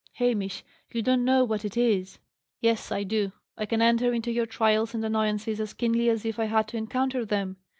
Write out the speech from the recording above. "Hamish, you don't know what it is!" "Yes, I do. I can enter into your trials and annoyances as keenly as if I had to encounter them.